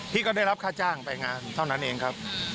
ก็ได้รับค่าจ้างไปงานเท่านั้นเองครับ